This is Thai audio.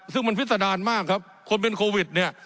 ซึ่งมันพิษดารมากครับคนเป็นโควิดเนี่ย